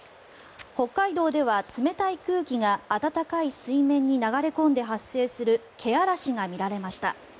北海道では冷たい空気が暖かい水面に流れ込んで発生するけあらしが見られました。